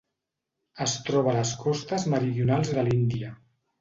Es troba a les costes meridionals de l'Índia.